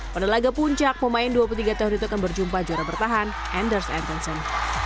pada laga puncak pemain dua puluh tiga tahun itu akan berjumpa juara bertahan anders antonson